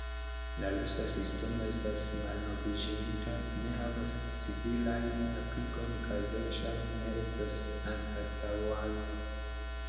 La rusa sistemo estas malnoviĝinta, ne havas civilajn aplikojn kaj verŝajne ne estos anstataŭata.